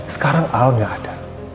sekarang al gak ada